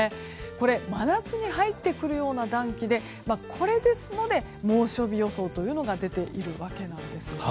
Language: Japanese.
真夏に入ってくるような暖気でこれですので猛暑日予想が出ているわけなんです。